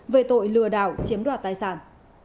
về tội lừa đảo chiếm đoạt tài sản